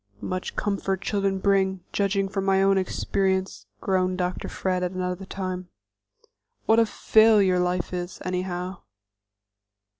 "Much comfort children bring, judging from my own experience," groaned Dr. Fred at another time. "What a failure life is, anyhow!"